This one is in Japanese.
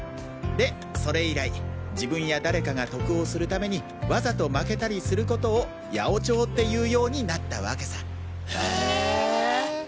でそれ以来自分や誰かが得をするためにわざと負けたりすることを「八百長」って言うようになったワケさ！